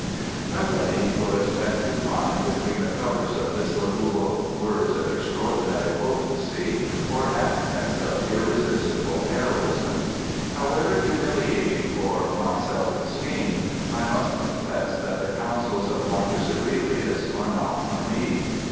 Nobody will expect to find between the covers of this little book words of extraordinary potency or accents of irresistible heroism. However humiliating for my self esteem, I must confess that the counsels of Marcus Aurelius are not for me.